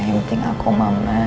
yang penting aku mama